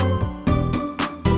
sampai jumpa lagi